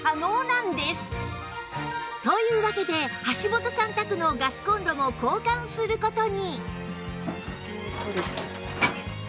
というわけで橋本さん宅のガスコンロも交換する事に！